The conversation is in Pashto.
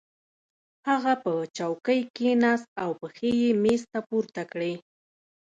هغه په چوکۍ کېناست او پښې یې مېز ته پورته کړې